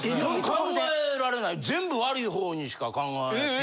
・考えられない全部悪い方にしか考え。え！？